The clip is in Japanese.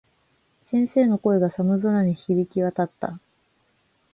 先生の声が、寒空に響き渡った。